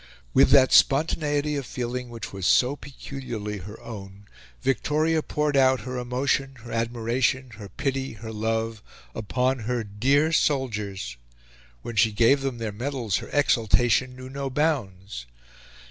With that spontaneity of feeling which was so peculiarly her own, Victoria poured out her emotion, her admiration, her pity, her love, upon her "dear soldiers." When she gave them their medals her exultation knew no bounds.